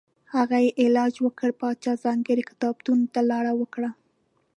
هغه یې علاج وکړ پاچا ځانګړي کتابتون ته لاره ورکړه.